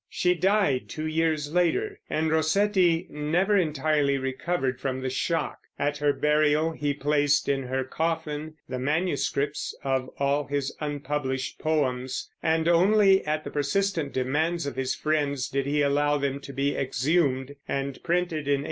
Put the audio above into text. She died two years later, and Rossetti never entirely recovered from the shock. At her burial he placed in her coffin the manuscripts of all his unpublished poems, and only at the persistent demands of his friends did he allow them to be exhumed and printed in 1870.